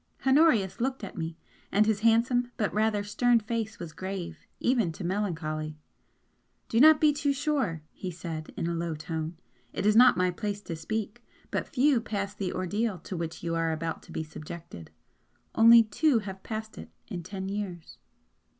Honorius looked at me, and his handsome but rather stern face was grave even to melancholy. "Do not be too sure!" he said, in a low tone "It is not my place to speak, but few pass the ordeal to which you are about to be subjected. Only two have passed it in ten years."